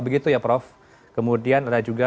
begitu ya prof kemudian ada juga